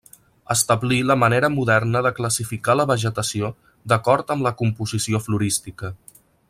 Establí la manera moderna de classificar la vegetació d'acord amb la composició florística.